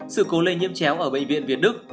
sự cố lây nhiễm chéo ở bệnh viện việt đức